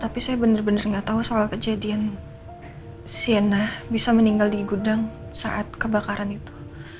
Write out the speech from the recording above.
tapi saya benar benar nggak tahu soal kejadian sienna bisa meninggal di gudang saat kebakaran itu